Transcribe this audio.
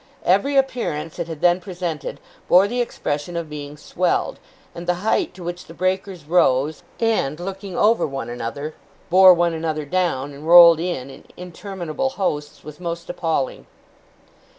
Every appearance it had then presented, bore the expression of being swelled; and the height to which the breakers rose, and, looking over one another, bore one another down, and rolled in, in interminable hosts, was most appalling.